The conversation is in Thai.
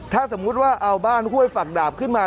ถ้าสมมุติว่าเอาบ้านห้วยฝักดาบขึ้นมา